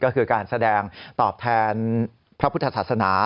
ก็คือการแสดงตอบแทนพระพุทธศาสนา